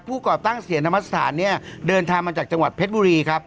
ก่อตั้งเสียนธรรมสถานเนี่ยเดินทางมาจากจังหวัดเพชรบุรีครับ